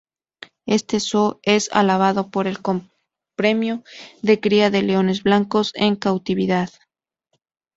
Este zoo es alabado con el premio de cría de leones blancos en cautividad.